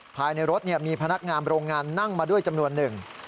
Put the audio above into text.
ภายในรถมีพนักงานโรงงานนั่งมาด้วยจำนวนหนึ่ง